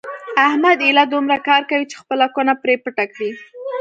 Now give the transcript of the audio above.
احمد ایله دومره کار کوي چې خپله کونه پرې پټه کړي.